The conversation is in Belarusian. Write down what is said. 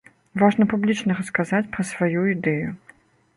Важна публічна расказаць пра сваю ідэю.